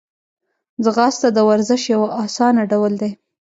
ځغاسته د ورزش یو آسانه ډول دی